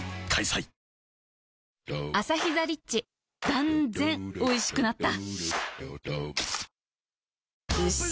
断然おいしくなった